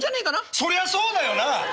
そりゃそうだよな！